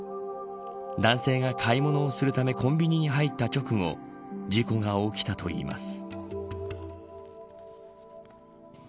男性が買い物をするためコンビニに入った直後事故が起きたといいます。